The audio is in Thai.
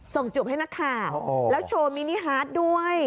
จุบให้นักข่าวแล้วโชว์มินิฮาร์ดด้วย